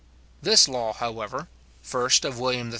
This law, however (1st of William III.